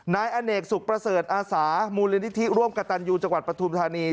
นายอเนกสุขประเสริฐอาสามูลนิธิร่วมกับตันยูจังหวัดปฐุมธานี